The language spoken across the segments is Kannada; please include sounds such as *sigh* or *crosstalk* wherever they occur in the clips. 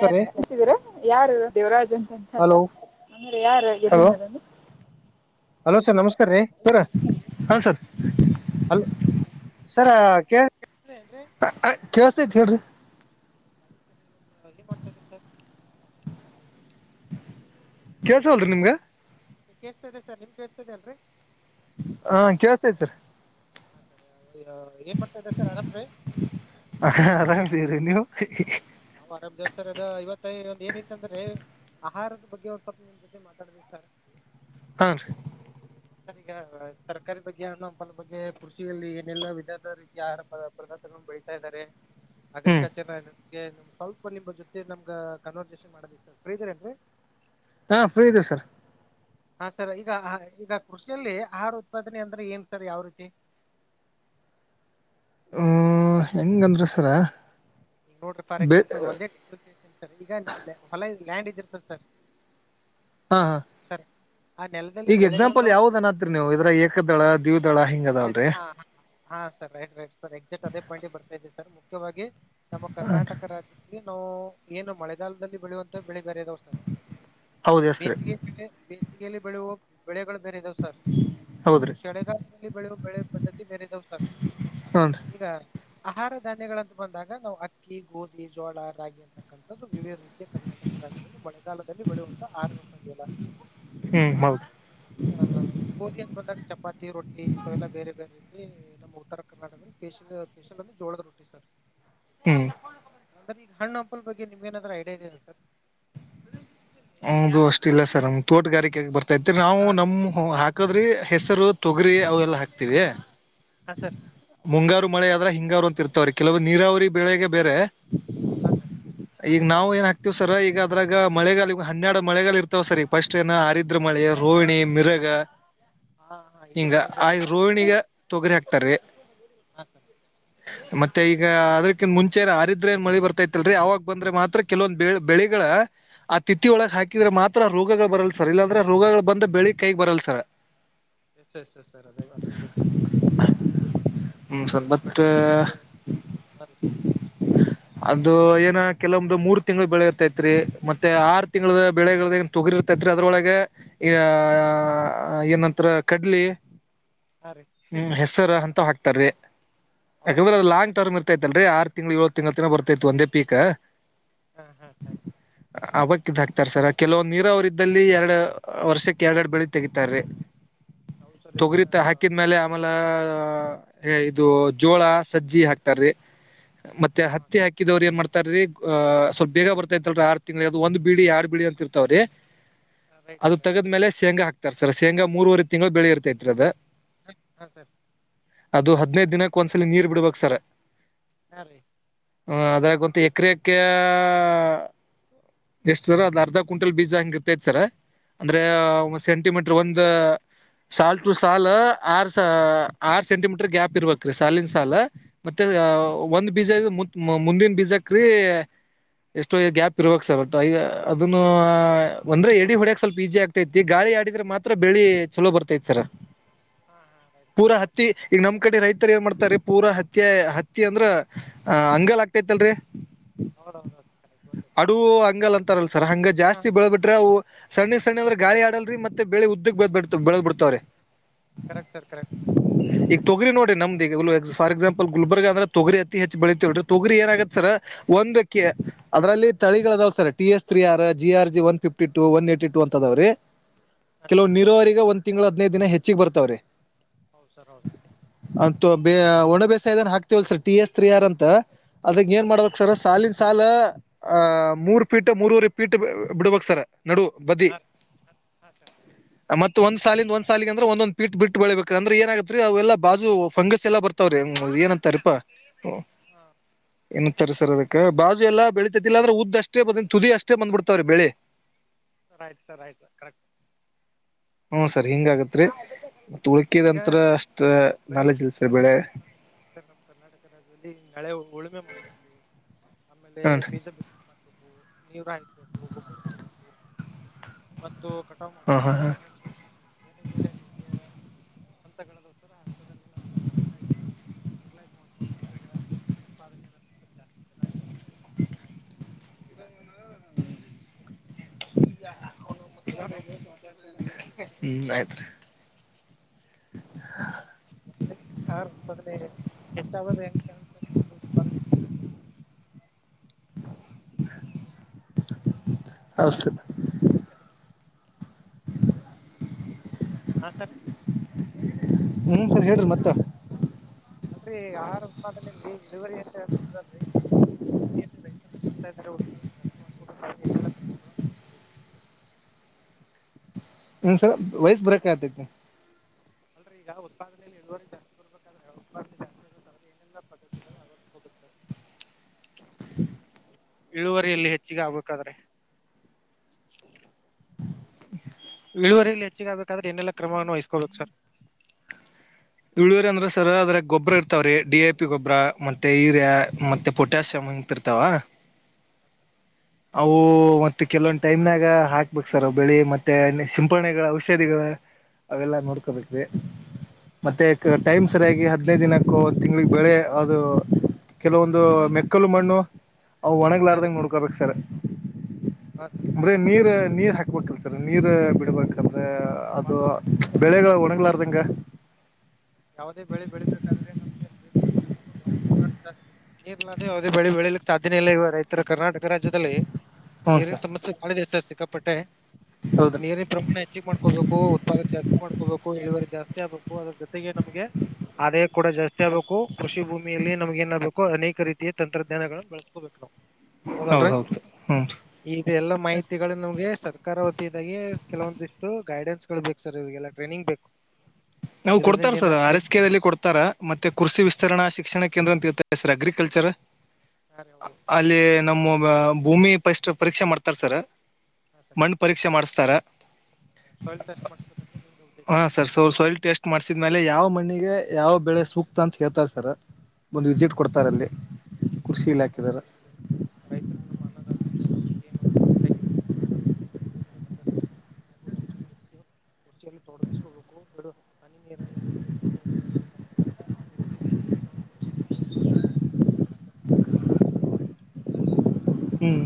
ಸರ್ ರೀ ಯಾರು ದೇವರಾಜ್ ಅಂತಂತಲ್ಲ ಹಲೋ ಅಂದ್ರೆ ಯಾರು ಹಲೋ ಹಲೋ ಸರ್ ನಮಸ್ಕಾರ ರೀ ಸರ ಹಾ ಸರ್ ಹಲೋ ಸರ್ ಕೇ *unintelligible* ಕೇಳ್ತೈತಿ ಹೇಳ್ರಿ ಅದ ಸರಿ ಇ *unintelligible* ಕೆಳಸವಲ್ದರೀ ನಿಮ್ಗ ಕೇಸ್ತದೆ ಸರ್ ನಿಮ್ ಕೇಸ್ತದೆ ಅಲ್ರಿ ಹಾ ಕೇಳ್ತೇ ಸರ್ ಹಾ ಸರಿ ಏನ್ ಮಾಡ್ತಾ ಇದ ಸರ್ ಆರಾಮ ರೀ ಆರಾಮ್ ರೀ ನೀವು ನಾವು ಆರಾಮ್ ಸರ್ ಇವತ ಇವತ್ತ ಒಂದ ಏನಿಂತಂದ್ರೆ ಆಹಾರದ ಬಗ್ಗೆ ಒಂದ್ ಸ್ವಲ್ಪ ನಿಮ್ಮ ಜೊತೆ ಮಾತಾಡಿದ ಸರ್ ಹಾ ರೀ ಸರ್ ಈಗ ತರಕಾರಿ ಬಗ್ಗೆ ಹೆಣ್ಣು ಹಂಪಲ್ ಬಗ್ಗೆ ಕೃಷಿಯಲ್ಲಿ ಏನೆಲ್ಲಾ ವಿಧದ *unintelligible* ಯಾರ ಪದಾರ್ಥಗಳನ್ನು ಬೆಳತಾ ಇದ್ದಾರೆ ಹ್ಮ್ ಅಗ್ರಿಕಲ್ಚರ್ ಸ್ವಲ್ಪ ನಿಮ್ ಜೊತೆ ನಮ್ಗ ಕನ್ವರ್ಜೇಷನ್ ಮಾಡೋದ ಸರ್ ಫ್ರೀ ಇದ್ದಿರೆನ್ರೀ ಹಾಂ ಫ್ರೀ ಇದೀವಿ ಸರ್ ಹಾ ಸರ್ ಈಗ ಈಗ ಕೃಷಿಯಲ್ಲಿ ಆಹಾರ ಉತ್ಪಾದನೆ ಅಂದ್ರೆ ಏನ್ ಸರ್ ಯಾವ ರೀತಿ ಹ ಹೆಂಗಂದ್ರ ಸರ್ ನೋಡ್ರಿ ಫಾರ್ ಬೆ ಎಕ್ಸಾಂಪಲ್ ಒಂದೇ ಸರ್ ಈಗ ಹೊಲ ಲ್ಯಾಂಡ್ ಇದಿರ್ತರ್ ಸರ್ ಹಾ ಹಾ ಸರ್ ಆ ನೆಲದಲ್ಲಿ ಈಗ ಬೆಳೆಗಳನ್ನ ಎಕ್ಸಾಂಪಲ್ ನಾವು ಯಾವ್ದ್ ಅನಾತರೀ ನೀವು ಇದ್ರ ಏಕದಳ ದ್ವಿದಳ ಹಿಂಗ ಅದಲ್ರರಿ ಹಾ ಹಾ ಹಾ sir right right sir exact ಅದೇ ಪಾಯಿಂಟ್ಗೆ ಬರ್ತಾ ಇದಿ ಸರ್ ಮುಖ್ಯವಾಗಿ ನಮ್ಮ ಕರ್ನಾಟಕ ರಾಜ್ಯ ಇನ್ನೂ ಏನು ಮಳೆಗಾಲದಲ್ಲಿ ಬೆಳೆಯುವಂತ ಬೆಳೆ ಬೇರೆ ಅದಾವ ಸರ್ ಹೌದು ಹೆಸ್ರಿ ಬೇಸಿಗೆ ಬೆಸಿಗೆ ಅಲ್ಲಿ ಬೆಳೆಯುವ ಬೆಳೆಗಳು ಬೇರೆ ಇದಾವ್ ಸರ್ ಹೌದ್ರಿ ಚಳಿಗಾಲದಲ್ಲಿ ಬೆಳ ಬೆಳೆವ ಪದ್ಧತಿ ಬೇರೆ ಇದಾವ ಸರ್ ಹ್ಞೂ ಈಗ ಆಹಾರ ಧಾನ್ಯಗಳಂತ ಬಂದಾಗ ನಾವ್ ಅಕ್ಕಿ ಗೋಧಿ ಜೋಳ ರಾಗಿ ಅಂತಾ *unintelligible* ವಿವಿಧ ರೀತಿಯ ಕರ್ನಾಟಕ ರಾಜ್ಯದಲ್ಲಿ ಮಳೆಗಾಲದಲ್ಲಿ ಬೆಳೆಯುವಂತ *unintelligible* ಎಲ್ಲ ಹ್ಮ್ ಹೌದು ಹಾ ಗೋಧಿ ಅಂತ ಬಂದಾಗ ಚಪಾತಿ ರೊಟ್ಟಿ ಇಂತಥವೆಲ್ಲಾ ಬೇರೆ ಬೇರೆ ರೀತಿ ನಮ್ಮ ಉತ್ತರ ಕರ್ನಾಟಕದಲ್ಲಿ ಸ್ಪೆಷಲ್ ಸ್ಪೆಷ ಅಂದ್ರೆ ಜೋಳದ ರೊಟ್ಟಿ ಸರ್ ಹುಂ ಅಂದ್ರೆ ಈಗ ಹಣ್ಣ ಹಂಪಲ ಬಗ್ಗೆ ನಿಮ್ಮಗ ಏನಾದ್ರೂ ಐಡಿಯಾ ಇದೆಯಾ ಸರ್ ಹೌದು ಅಷ್ಟ ಇಲ್ಲ ಸರ್ ನಮ್ ತೋಟಗಾರಿಕೆೆಗೆ ಬರ್ತಾ ಇದರಿ ನಾವು ಹಾ ನಮ್ಮ್ ಹುಂ ಹಾಕದ್ರಿ ಹೆಸರು ತೊಗರಿ ಅವೆಲ್ಲಾ ಹಾಕ್ತಿವಿ ಹಾ ಸರ್ ಮುಂಗಾರು ಮಳೆ ಆದ್ರೆ ಹಿಂಗಾರು ಅಂತ ಇರ್ತವ್ರೀ ಕೆಲವ ನೀರಾವರಿ ಬೆಳೆಗೆ ಬೇರೆ ಹಾ ಸರ್ ಈಗ ನಾವು ಏನ್ ಹಾಕ್ತಿವ್ ಸರ್ ಈಗ ಅದ್ರಾಗ ಮಳೆಗಾಲ ಹನ್ನೆರಡು ಮಳೆಗಳ ಇರ್ತಾವ ಸರಿ ಫಸ್ಟ್ ಏನ ಆರಿದ್ರ ಮಳೆ ರೋಹಿಣಿ, ಮಿರಗ. ಹಾ ಹಾ ಇದು ಹಿಂಗ ಪಾಯಿಂಟ್ ಆ ಬೇಕಾಗಿತ್ತು ರೋಹಿಣಿಗ ತೊಗರಿ ಹಾಕ್ತಾರೀ. ಹಾ *inaudible* ಮತ್ತೆ ಈಗ ಅದಕಿಂತ ಮುಂಚೆ ಹರಿದ್ರ ಏನ್ ಮಳಿ ಬರ್ತಾತಿಲ್ರರಿ ಅವಾಗ ಬಂದ್ರೆ ಮಾತ್ರ ಕೆಲವೊಂದ್ ಬೆ ಬೆಳೆಗಳ. ತಿತ್ತಿ ಒಳಗೆ ಹಾಕಿದ್ರೆ ಮಾತ್ರ ರೋಗಗಳು ಬರಲ್ಲ ಸರ್ ಇಲ್ಲಾಂದ್ರೆ ರೋಗಗಳು ಬಂದ ಬೆಳಿಗ್ ಕೈಗ್ ಬರಲ್ಲ ಸರ್. ಹ್ಮ್ ಸರ್ ಬಟ್ *unintelligible* ಹಾಂ ರೀ ಅದು ಏನ ಕೆಲವು ಒಂದು ಮೂರ್ ತಿಂಗಳು ಬೆಳೆಯತೈತ್ರಿ ಮತ್ತೆ. ಮತ್ತೆ ಆರು ತಿಂಗಳ ಬೆಳೆಗಳ ತೊಗರಿರ್ತೈತ್ರಿ ಅದ್ರೊಳಗೆ. ಆ ಏನಂತರ ಕಡ್ಲಿ. ಹಾರೀ. ಸರ್ ಅಂತವ್ ಹಾಕ್ತಾರೀ ಯಾಕಂದ್ರೆ ಅ ಹೌದೇನ್ರಿ ಲಾಂಗ್ ಟರ್ಮ್ ಇರ್. ತಲ್ರಿ ಆ ತಿಂಗಳು ಏಳು ತಿಂಗಳ ತನ ಬರ್ತೈತ್ತು ಒಂದೇ ಪೀಕ್. ಹಾ ಹಾ ಹಾ. ಅವಕ್ಕಿದ ಹಾಕ್ತಾರ ಸರ್ ಕೆಲವ್ ನೀರ ಅವ್ರ ಇದ್ದಲ್ಲಿ ಎರಡ್ ವರ್ಷಕ್ಕೆ ಎರಗಡು ಬೆಳಿ ತೆಗಿತಾರೀ ಹೌದು ಸರ್ ಈಗ ತೊಗರಿ ಹಾಕಿದ್ಮೇಲೆ. ಆಮೇಲೆ ಇದು ಜೋಳ, ಸಜ್ಜಿ ಹಾಕ್ತಾರೀ ಮತ್ತೆ. ಹಾಂ ಹತ್ತಿ ಹಾಕಿದ್ರು ಏನ್ ಮಾಡ್ತಾರ ರೀ ಸ್ವಲ್ಪ ಬೇಗ ಬರ್ತ ಅಲ್ರಿ ಆ. ಒಂದ್ ಬಿಡಿ ಎರಡ್ ಬಿಡಿ ಅಂತಿರ್ತಾವ್ರೀ. *unintelligible* ಅದು ತೇಗಿದ್ಮೇಲೆ ಶೇಂಗಾ ಹಾಕ್ತಾರೆ ಸರ್ ಶೇಂಗಾ ಮೂರುವರೆ ತಿಂಗಳು ಬೆಳಿ ಇರ್ತೈತ್ರಿ ಅದು. *unintelligible* ಅದು ಹದಿನೈದು ದಿನಕ್ ಒಂದ್ಸಲ ನೀರ್ ಬಿಡ್ಬೇಕಕ್ ಸರ್. ಹಾ ರೀ. ಹ ಅದು ಒಂದು ಎಕರೆಕ. ಎಷ್ಟು ಸರ್ ಅದ್ ಅರ್ಧ ಕ್ವಿಂಟಲ್ ಬೀಜ ಹಂಗಿರ್ತೈತ್ ಸರ್ ಅಂದ್ರೆ. ಹಾಂ ರೀ ಸೆಂಟಿಮೀಟರ್ ಒಂದು. ಸಾಲ್ ಟು ಸಾಲ ಆರ್ ಆರ್ ಸೆಂಟಿಮೀಟರ್ ಗ್ಯಾಪ್ ಇರ್ಬೇಕ್ರೀ ಸಾಲಿನ ಸಾಲು. ಮತ್ತೆ. ಹಾ ಹಾ ಒಂದ್ ಬೀಜ ಮುಂದಿನ ಬೀಜಕ್ರೀ ಎಷ್ಟೋ ಗ್ಯಾಪ್. ಇರ್ರುವ ಸರ್ ಒಟ್ಟ ಈಗ ಅದನ್ನು ಅಂದ್ರೆ ಎಡಿ ಹೊಡ್ಯ ಸ್ವಲ್ಪ ಈಜಿ ಆಗ್ತೈತಿ ಗಾಳಿ ಆಡಿದ್ರೆ ಮಾತ್ರ ಬೆಳಿ. ಚಲೋ ಬರತೈತಿ ಸರ್. *inaudible* ರೈಟ್ ಸರ್ ಪೂರಾ ಕರೆಕ್ಟ್ ಹತ್ತಿ ಇದೆ ಈಗ ನಮ್ ಕಡೆ ರೈತರು ಏನ್ ಮಾಡ್ತಾರೆ. ಪೂರಾ ಹತ್ತಿ ಹತ್ತಿ ಅಂದ್ರ ಅಂಗಲ್ ಆಗ್ತತ್ತಲ್ರರಿ. ಹಾ ಹಾ. ಅಡುುವ ಹಂಗಲ್ ಅಂತಾರಲ್ಲ ಸರ್ ಹಂಗ ಹಾಂ ಜಾಸ್ತಿ ಬೆಳೆ ಬಿಟ್ರೆ ಅವು. ಸಣ್ಣ ಸಣ್ಣಂದ್ರೆ ಗಾಳ ಆಡಲ್ರಿ ಮತ್ತೆಳ ಬೆಳೆ ಉದ್ದಕ್ಕ ಬಿ ಬೆಳದ್ ಬಿಡ್ತಾವ್ರರಿ. Correct sir correct sir. ಈಗ ತೊಗರಿ ನೋಡಿರಿ ನಮ್ದ ಈ ಫ ಎಕ್ಸಾಂಪಲ್ ಗುಲ್ಬರ್ಗ ಅಂದ್ರೆ ತೊಗರಿ ಅತಿ ಹೆಚ್ಚ ಬೆಳೀತೀವಿರಿ ತೊಗರಿ ಏನಾಗಗತ್ತ ಸರ. ಒಂದಕ್ಕೆ ಅದರಲ್ಲಿ. ತಾಳಿಗಳು ಅದಾವ್ sir T S three R G R G one fifty two, one eighty two ಅಂತ ಅದಾವ್ರೀ ಹಾಂ ಸರ್ ಕೆಲವೊನೀರಾವರಿಗ ಒಂದ್ ತಿಂಗಳು ಹದ್ನೈದು ದಿನ ಹೆಚ್ಚಿಗೆ ಬರ್ತಾವ್ರಿ. ಹೌದು ಸರ್ ಹೌದು ಅಂತ ಒಣ ಬೇಸ ಇದನ್ ಹಾಕ್ತವಲ್ಸ ಟಿ ಎಸ್ ತ್ರೀ ಆರ್ ಅಂತ. ಅದಕ್ಕೆ ಹಾಂ ಏನ್ ರೀ ಮಾಡ್ಬೇಕಕ್ ಸರ್ ಸಾಲಿನ ಸಾಲ ಅಹ ಹಾಂ ಮೂರುಫೀಟ್ ಮುರುವರೆ. ಬಿಟ್ಟು ಬಿಡಕ ಸರ್ ನಡುವ ಬದಿ *inaudible* ಹಾಂ ಹಾಂ ಹಾಂ ಸರ್ ಮತ್ತ ಒಂದ ಸಾಲಿಂದ ಒಂದ್ ಸಾಲಿಗೆ ಅಂದ್ರ ಒಂದ ಪೀಟ್ ಬಿಟ್ಟ ಬೆಳಬೇಕ್ರ ಅಂದ್ರ ಏನಆಗತ್ರಿ ಅವೆಲ್ಲ ಬಾಜು ಪಂಗಸ್ ಎಲ್ಲ ಬರ ತವ್ರೀ ಏನ ಅಂತರಿಪ್ಪಾ *inaudible* ಹು ಹಾ ಏನ್ ಅತ್ತಾರಿ ಸರ್ ಅದಕ್ಕ ಬಾಜು ಎಲ್ಲಾ ಬೆಳಿತತಿಲ್ಲ ಅಂದ್ರ ಉದ್ದ ಅಷ್ಟೇ ಬಂದ ತುದಿ ಅಷ್ಟೇ ಬಂದ ಬಿಡ್ತಾವ್ರೀ ಬೆಳಿ. ಆಯ್ತ ಸರ್ ಆಯ್ತ ಸರ್ ಕರೆಕ್ಟ. ಹ್ಮ ಸರ್ ಹಿಂಗ ಆಗತ್ರಿ ಮತ್ತ ರೈಟ್ ಸರ್ ಈಗ ಉಳಕಿದಂತ್ರ ಅಷ್ಟ ನಾಲೆಜ್ ಇಲ್ಲ ಸರ್ ಬೆಳೆ. ನಮ್ ಕರ್ನಾಟಕ ರಾಜ್ಯದಲ್ಲಿ ನಳೆ ಉಳುಮೆ ಮಾಡ್ಬೇಕ್ರೀ ಆಮೇಲೆ ಹ್ಮ್ ಬೀಜ ಬಿತ್ತ ಕು ನೀವರು ಹಾಯಿಸಬೇಕು ಗೊಬ್ಬರ ಕೊಡಬೇಕು. ಮತ್ತು ಕಟಾವ ಹಾ ಮಾಡಬೇಕು ಹಾ ಹಾ ಸಂಗ್ರಣೆ ಬೇರೆ ಬೇರೆ ರೀತಿಯ ಹಂತಗಳ ಅದಾವ ಸರ್ ಆ ಹಂತದಲ್ಲಿ ನಾವೆಲ್ಲ ಕರೆಕ್ಟಾಗಿ.. ವಿಟ್ಲಾಸ್ ಮಾಡ್ಕೊಂತ ಹೋದ್ರ ಉತ್ಪಾದನೆ ಸ್ಪಲ್ಪ ಜಾಸ್ತಿ ಚೆನ್ನಾಗಿ ಬರುತ್ತೆ ಅಂತ. ಇದ ಹಾಕ *inaudible* ಇನ್ನೊಂದ ಐದ ನಿಮಿಷ ಮಾತಾಡ ಸರ್ ಹೆಂಗನ್ ಹ್ಮ್ ಆಯ್ತ್ರಿ *unintelligible* *unintelligible* ಮೊದ್ಲೇ ಹಾ ಮೊದಲೆ ಕೆಟ್ಟೋಗೋದ ಹೆಂಗ್ ಕಾಣಸ *unintelligible* ಉತ್ಪಾದನೆ ಹೆಚ್ಚು ಮಾಡಿ ಕೊಡತೀನಿ. *inaudible* ಅಷ್ಟೇ *unintelligible* *unintelligible* ಆತನ *unintelligible* ಹ್ಮ ಸರ್ ಹೇಳ್ರರಿ ಮತ್ತ ಅಲ್ರರಿ ಆರುಉತ್ಪಾದಾನೆ ಇಳುವರಿ ಅಂತ ಬರ್ತದಲ್ರಿ *inaudible* ಏನ್ ರೈತರಿಗೆ. ಏನ್ ಮಾಡ್ತಾ ಇದ್ದಾರೆ ಉತ್ಪಾದನೆ ಜಾಸ್ತಿ ಮಾಡಕೊ ಬೇಕಾದರೆ ಏನೆಲ್ಲಾ ಕ್ರಮ ಏನ್ ಸರ್ ವೈಸ್ ಬ್ರೇಕ್ ಆತೈತಿ ನೋಡ್. ಅಲ್ರೀ ಈಗ ಉತ್ಪಾದನೆಯಲ್ಲಿ ಇಳುವರಿ ಜಾಸ್ತಿ ಬರ್ಬೇಕ. ಈಗ ಉತ್ಪಾದನೆ ಜಾಸ್ತಿ ಆದ್ರೆ ಏನೆಲ್ಲ ಪದ್ಧತಿಗಳು ಅಳವಡಿಸಕೋ ಬೇಕ್ ಸರ್ *unintelligible* ಇಳುವರಿಯಲ್ಲಿ ಹೆಚ್ಚಿಗೆ ಆಗ್ಬೇಕಾದ್ರೆ. ಇಳುವರಿಲಿ ಹೆಚ್ಚಿಗೆಆಗಬೇಕಾದ್ರೆ ಎನೆೆಲ್ಲ ಕ್ರಮವನ್ನು ವಹಿಸಕೋಳಬೇಕು ಸರ್ ಇಳುವರಿ ಅಂದ್ರೆ ಸರ್ ಅದ್ರ ಗೊಬ್ಬ್ರ ಇರ್ತವ್ರೀ ಡಿ ಎ ಪಿ ಗೊಬ್ಬ್ರ ಮತ್ತೆ ಇರ್ಯ ಮತ್ತೆ ಪೋಟ್ಯಾಸಿಯಮ್ ಅಂತ ಇರ ತವಾ *inaudible* ಅವು ಮತ್ತ ಕೆಲವೊಂದ್ ಟೈಮ್ನಾಗ ಹಾಕಬೇಕ ಸರ್ ಅವು ಬೆಳಿ ಮತ್ತೆ ಸಿಂಪಣಿಗಳ ಔಷಧಿಗಳ. *inaudible* ಅವೆಲ್ಲ ನೋಡ್ಕೋಬೇಕ್ರೀ. ಮತ್ತು ಓಕೆ ಓಕೆ ಟೈಮ್ ಸರಿಯಾಗಿ ಹದನೈದ ದಿನಕ್ಕೂ ತಿಂಗಳಿಗೆ ಬೇಳೆ ಅದು. ಕೆಲವೊಂದು ಮೆಕ್ಕಲು ಮಣ್ಣು. ಅವು ಹಾಂ ರೀ ಒಣಗ್ಲಾರದಂಗ ನೋಡ್ಕೋಬೇಕ ಸರ್. ಹಾಂ ಸರ್ ಅಂದ್ರೆ ನೀರ್ ನೀರ್ ಹಾಕ್ಬೇಕ್ ಅಲ್ಲ ಸರ್ ನೀರ್ ಬಿಡ್ಬೇಕ. ಯಾಕಂದ್ರ ಭಾಳ ಅದು ಬೆಳೆಗಳು ಒಣಗ್ಲಾರ್ದಂಗ. ಯಾವದೇ ಬೆಳೆ ಬೆಳಿಬೇಕಾದ್ರೆ ನಮಗೆ ದೇಯಾ. *unintelligible* ನೀರಇರಲಾರದ ಇವರಿಗೆ ಯಾವುದೇ ಬಳಿ ಬೆಳೆಯಲಿಕ್ಕೆ ಸಾಧ್ಯನ ಇಲ್ಲ ಇವ ರೈತರ ಕರ್ನಾಟಕ *inaudible* ರಾಜ್ಯದಲ್ಲಿ ಹ್ಞೂ ನೀರಿನ ಸರ್ ಸಮಸ್ಯೆ ಬಾಳ ಇದೆ ಸರ್ ಸಿಕ್ಕಾಪಟ್ಟೆ ಹೌದು *inaudible* ನೀರಿನ. ಪ್ರಮಾಣ ಹೆಚ್ಚಿಗೆ ಮಾಡ್ಕೋಬೇಕು ಉತ್ಪಾದನೆ ಜಾಸ್ತಿ ಮಾಡ್ಕೋಬೇಕು ಇಳೆವರಿ ಜಾಸ್ತಿ ಆಗ್ಬೇಕು ಅದ್ರ ಜೊತೆಗೆ ನಮ್ಗೆ ಆದಾಯ ಕೂಡ ಜಾಸ್ತಿ ಆಗ್ಬೇಕು ಕೃಷಿ ಭೂಮಿಯಲ್ಲಿ ನಮ್ಗ ಏನ್ ಆಗಬೇಕು ಅನೇಕ ರೀತಿಯ ತಂತ್ರಜ್ಞಾನಗಳ ಬೆಳಸ್ಕೋಬೇಕ ನಾವ. *inaudible* ಹೌದೌದು ಹ್ಮ್ ರೀ ಇದೆಲ್ಲಾ ಮಾಹಿತಿಗಳು ನಮ್ಗೆ ಸರ್ಕಾರ ವತಿಯಿದಾಗೆ ಕೆಲವೊಂದಿಷ್ಟು ಗೈಡೆನ್ಸ್ ಗಳ ಬೇಕು ಸರ್ ಇವರಿಗೆಲ್ಲ ಟ್ರೈನಿಂಗ್ ಬೇಕು ನಾವು ಕೊಡ್ತಾರ ಇದರಿಂದ ಸರ್ ಏನಾಗ್ತಿದೆ ಆರ ಎಸೆಕೆದಲ್ಲಿ ಕೊಡ್ತಾರ ಮತ್ತೆ ಕೃಷಿ ವಿಸ್ತರಣಾ ಶಿಕ್ಷಣ ಕೇಂದ್ರ ಅಂತ ಇರುತ್ತ ಸರ್ ಅಗ್ರಿಕಲ್ಚರ್ ಹಾಂ ರೀ ಹೌದು ಅಲ್ಲಿ ನಮ್ಮ ಭೂಮಿ ಪಸ್ಟ್ ಪರೀಕ್ಷೆ ಮಾಡ್ತಾರ ಸರ್ ಹಾಂ ಸರ್ ಮಣ ಪರೀಕ್ಷೆ ಮಾಡಸ್ತಾರ್ ಸಾಯಿಲ್ ಟೆಸ್ಟ್ ಮಾಡಸಬೇಕಂತ ನಿಮ್ಮದ ಉದ್ದೇಶ ಹಾ ಸರ್ ಸೊ ಸೋಯಲ್ ಟೆಸ್ಟ್ ಮಾಡ್ಸಿದ್ಮೇಲೆ ಯಾವ್ ಮಣ್ಣಿಗೆ ಯಾವ ಬೆಳೆ ಸೂಕ್ತ ಅಂತ ಹೇಳ್ತಾರ ಸರ್ ಒಂದ್ ಹಾಂ ವಿಸಿಟ್ ರೀ ಕೊಡ್ತಾರಲ್ಲಿ ಕೃಷಿ ಇಲಾಖೆದ್ದರ್ ರೈತರು ನಮ್ಮ ಅನ್ನದಾತ ಸರ್ ಅವ್ರರಿಗೆನು ಕರೆಕ್ಟಾಗಿ *unintelligible* *inaudible* ಕುರ್ಷಿಯಲ್ಲಿ ತೊಡಗಿಸಕೋಬೇಕುಡು ಹನಿ ನೀರಾವರಿ ತುಂಟೂ ನೀರಾವರಿ ಇರಿಗೇಷನಲ್ಲಿ ನಾವು ಅನೇಕ ರೀತಿಯ ಟೆಕ್ನಾಲಜಿನ ಬಳಸ್ಬೋದು ಸರ್ ಎಲ್ಲದರಿಂದ ಉತ್ಪಾದನೆ ಹ್ಮ್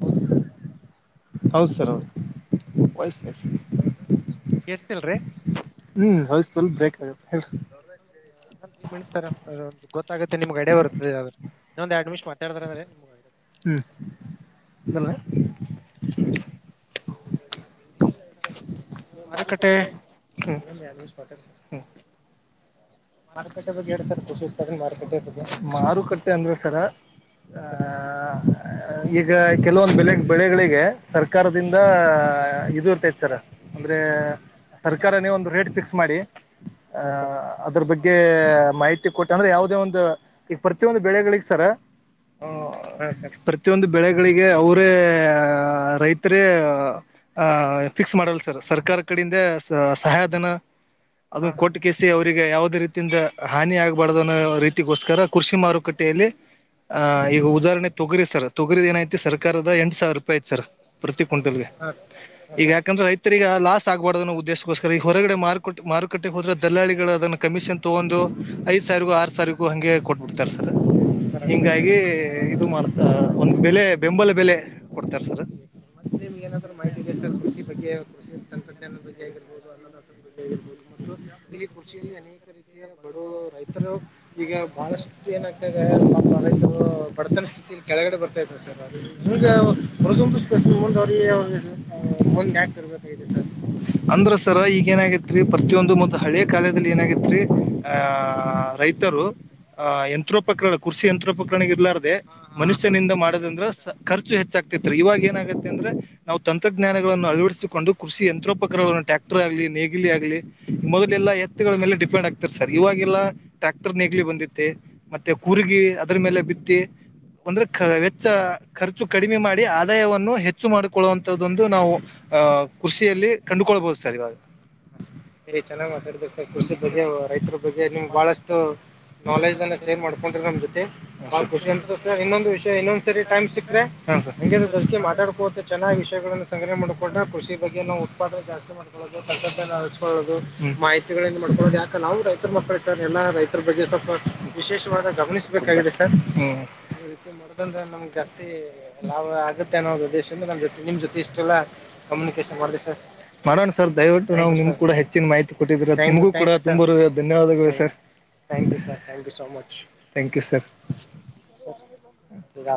ಹೌದಾ ಸರ್ ಹೌದ ಸರ್ ಹೌದು ವೈಯ್ಸ್ *inaudible* ಕೇಳಸ್ತೀಲ್ ರೀ ಹ್ಮ್ ವಾಯ್ಸ್ ಬ್ರೇಕ ಆಗುತ್ತ ಹೇಳರೀ *unintelligible* ಗೊತ್ತಾಗತ್ತೆ ನಿಮಗ ಐಡಿಯ ಬರುತ್ತದೆ ಅದ್ ಇನ್ನೂಂದ್ ಯಾಡ್ ನಿಮಿಷ ಮಾತಾಡದ್ರಂದೆ ಹ್ಮ್ ಹೋಗಲ್ಲ್ ಮತ್ತ್ ಏನಿಲ್ಲ ಸರ್ ನೀವು ಮಾರುಕಟ್ಟೆ *unintelligible* *inaudible* ಮಾರುಕಟ್ಟೆ ಬಗ್ಗೆ ಹೇಳಿ ಸರ್ ಕೃಷಿ ಉತ್ಪಾದನೆ ಮಾರುಕಟ್ಟೆ ಬಗ್ಗೆ ಮಾರುಕಟ್ಟೆ ಅಂದ್ರೆ ಸರ್ ಹ್ ಈಗ ಕೆಲವೊಂದ್ ಬೆಳೆ ಬೆಳೆಗಳಿಗೆ ಸರ್ಕಾರದಿಂದ ಇದು ಇರ್ತೈತಿ ಸರ್ ಅಂದ್ರೆ ಸರ್ ನೀವು ಸರ್ಕಾರನೇ ಒಂದ್ ರೇಟ್ ಫಿಕ್ಸ್ ಮಾಡಿ ಆ ಅದ್ರ ಬಗ್ಗೆ ಬಗೆ ಮಾಹಿತಿ ಕೊಟ್ಟ ಅಂದ್ರ ಯಾವುದೇ ಒಂದ್ ಈಗ ಪ್ರತಿಯೊಂದ ಬೆಳೆಗಳಿಗೆ ಸರ್ ಹ ಪ್ರತಿಯೊಂದ ಬೆಳೆಗಳಿಗೆ ಅವರೇ ರೈತರೇ ಹ ಫಿಕ್ಸ್ ಮಾಡಲ್ಲ ಸರ್ ಸರ್ಕಾರ ಕಡೆಯಿಂದೆ ಸಹಾಯಧನ ಅದು ಕೋಟ ಕೆಸಿ ಅವ್ರರಿಗೆ ಯಾವ್ದದೇ ರೀತಿ ತಿಂದ ಹಾನಿ ಆಗಬಾರ್ದನ್ನೋ ರೀತಿಗೋಸ್ಕರ ಕೃಷಿ ಮಾರುಕಟ್ಟೆಯಲ್ಲಿ ಹ ಈಗ ಉದಾಹರಣೆ ತೊಗರಿ ಸರ್ ತೊಗರಿದ ಏನ ಐತಿ ಸರ್ಕಾರದ ಎಂಟ ಸಾವಿರ ರೂಪಾಯಿ ಐತಿ ಸರ್ ಪ್ರತಿ ಕ್ವಿಂಟಲ್ಗೆ ಈಗ ಯಾಕಂದ್ರ ರೈತರಿಗೆ ಲಾಸ್ ಆಗ್ಬಾರ್ದನ್ನೋದ್ದೇಶಕ್ಕೋಸ್ಕರ ಈಗ ಹೊರಗಡೆ ಮಾರುಕಟ್ಟ ಮಾರುಕಟ್ಟೆಗ ಹೋದ್ರೆ ದಲ್ಲಾಳಿಗಳು ಅದನ್ನ ಕಮಿಷನ್ ತೊಗೊಂದು ಐದ ಸಾವಿರಗೂ ಆರ ಸಾವಿರಗೂ ಹಂಗೆ ಕೊಟ್ಬಿಡ್ತಾರ ಸರ್ ಹಿಂಗಾಗಿ ಇದು ಮಾಡತ ಒಂದ್ ಬೆಲೆ ಬೆಂಬಲ ಬೆಲೆ ಕೊಡ್ತಾರ ಸರ್ ಮತ್ತೆ ನಿಮಗ್ ಏನಾದ್ರು ಮಾಹಿತಿ ಇದೆ ಸರ್ ಕೃಷಿ ಬಗ್ಗೆ ಕೃಷಿ ವಿಜ್ಞಾನದ ಬಗ್ಗೆ ತಂತ್ರ್ಞಾನದಗ್ಗೆ ಆಗಿರ್ಬೋದು ಅನ್ನ ಅನ್ನದಾತರ ಬಗ್ಗೆ *inaudible* ಆಗಿರ್ಬೋದು ಮತ್ತು ಇಲ್ಲಿ ಕೃಷಿಯಲ್ಲಿ ಅನೇಕ ರೀತಿಯ ಬಡು ಬಡವರು ರೈತರ ರೈತರು ಈಗ ಭಾಳಷ್ಟು ಬಹಳಷ್ಟು ಏನಂತಂದರೆ ಏನಾಗ್ತೀದೆ ಪಾಪ ಬಡತನ ಸ್ಥಿತಿಲ್ಲಿ ಕೆಳಗಡೆ ಬರ್ತಾ ಇದ್ದಾರೆ ಬರ್ತಾಯಿದ್ ಸರ್ ಹಿಂಗೆ ಅದು ನ *unintelligible* ಮುಂದ ಅವ್ರಿಗ ಮುಂದ ಮುಂದೆ ಯಾಕೆ ಯಾಕ ಇರ್ಬೇಕು ಸರ್ ಅಂದ್ರ ಸರ ಈಗ ಏನಾಗೈತ್ರಿ ಪ್ರತಿಯೊಂದು ಮೊತ್ತ್ ಹಳೆ ಕಾಲದಲ್ಲಿ ಏನಾಗೈತ್ರಿ ಹ ರೈತರು ಆ ಯಂತ್ರೋಪಕರಣ ಕೃರ್ಷಿ ಯಂತ್ರೋಪಕರಣ ಇರ್ಲಾರದೆ ಮನುಷ್ಯನಿಂದ ಮಾಡೋದಂದ್ರ ಖರ್ಚು ಹೆಚ್ಚಾಗ್ತಿತೈತ್ರಿ ಇವಾಗ ಏನಾಗತ್ತೆ ಅಂದ್ರೆ ನಾವು ತಂತ್ರಜ್ಞಾನಗಳನ್ನು ಅಳವಡಿಸಿಕೊಂಡು ಕೃಷಿ ಯಂತ್ರೋಪಕರಣಗಳನ್ನು ಟ್ರ್ಯಾಕ್ಟರ್ ಆಗ್ಲಿ ನೇಗಿಲಿ ಆಗ್ಲಿ ಮೊದಲೆಲ್ಲ ಎತ್ತುಗಳೇ ಮೇಲೆ ಡಿಪೆಂಡ್ ಆಗ್ತೆ. ಸರ್ ಇವಾಗೆಲ್ಲ ಟ್ರ್ಯಾಕ್ಟರ್ ನೀಗ್ಲಿ ಬಂದೈತೆ ಮತ್ತೆ ಕುರ್ಗಿ ಅದ್ರ ಮೇಲೆ ಬಿತ್ತಿ. ಅಂದ್ರೆ ವೆಚ್ಚ ಖರ್ಚು ಕಡಿಮೆ ಮಾಡಿ ಆದಾಯವನ್ನು ಹೆಚ್ಚು ಮಾಡಕೊಳ್ಳುವಂತದ್ದೊಂದು ನಾವು. ಅಹ ಕೃಷಿಯಲ್ಲಿ ಕಂಡುಕೊಳ್ಬಹುದು ಸರ್ ಇವಾಗ. ಅ ಚೆನ್ನಾಗ್ ಮಾತಾಡಿದ್ರಿ ಸರ್ ಕೃಷಿ ಬಗ್ಗೆ ರೈತರ ಬಗ್ಗೆ ನಿಮ್ಗೆ ಭಾಳಷ್ಟು ಬಹಳಷ್ಟು. ನಾಲೆಜನ್ನು ನಾಲೆಜ್ನಲ್ಲ ಸೇವ್ ಶೇರ್ ಮಾಡಕೊಂಡ್ರಿ ನಮ್ ಜೊತೆ ಬಹಾ ಮತ್ತು ಖುಷಿ ಅಂತಸರ್ ಇನ್ನೊಂದು ಇನ್ನೊಂದ ವಿಷಯ ಏನು ಇನ್ನೊಂದ್ ಸರಿ ಟೈಮ್ ಸಿಕ್ಕರೆ ಸಿಕ್ರೆ. ಹ ಅನ್ಯರ ನಿಮ್ಮ ಜೊತೆಗೆ ಜೊತೆ ಮಾತಾಡ್ಕೋತ ಮಾತಾಡಕೋ ಚೆನ್ನಾಗಿ ಚೆನ್ನಗಿ ವಿಷಯಗಳಗಳನ್ನು ವಿಷಯಗಳನ್ನ ಸಂಗ್ರಹ ಮಾಡಕೊಂಡ್ರೆ ಕೃಷಿ ಬಗ್ಗೆ ನಾವು ಉತ್ಪಾದನೆ ಜಾಸ್ತಿ ಮಾಡಬೇಕ. ತಂತ್ರಜ್ಞಾನ *unintelligible* ಅಳವಡಿಸ್ಕೊಳ್ಳೋದು ಮಾಹಿತಿಗಳಗಳನ್ನು ಮಾಡಿಕೊಳೋದು ಸರ್ ಎಲ್ಲ ರೈತರ ಬಗ್ಗೆ ಸ್ವಲ್ಪ ವಿಶೇಷವಾದ ಗಮನಿಸಬೇಕಾಗಿದೆ ಸರ್. ಮಾಡೋದ್ರಿಂದ ಮಾಡದಂದ್ರೆ ನಮಗೆ ನಮ್ಗ್ ಜಾಸ್ತಿ ಲಾಭ ಆಗುತ್ತೆ ಅನ್ನೋ ಉದ್ದೇಶದಿಂದ ನಮ್ಮ ಜೊತೆ. ನಿಮ್ ಜೊತೆ ಇಷ್ಟೆಲ್ಲ ಕಮ್ಯುನಿಕೇಶನ್ ಮಾಡಿದೆ ಸರ್ ಮಾಡೋಣ ಸರ್ ದಯವಿಟ್ಟು ನಾವು ನಿಮ್ ಕೂಡ ಹೆಚ್ಚಿನ ಮಾಹಿತಿ. ಕೊಟ್ಟಿದ್ರ ನಿಮಗೂ ಕೂಡ ತುಂಬು ಹೃದಯ ಧನ್ಯವಾದಗಳು sir. Thanks you sir thank you so much thank you sir.